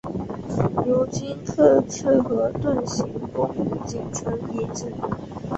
如今喀喇河屯行宫仅存遗址。